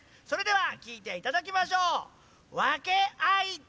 それではきいていただきましょう。